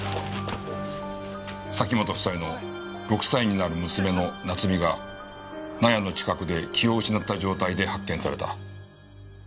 崎本夫妻の６歳になる娘の菜津美が納屋の近くで気を失った状態で発見された。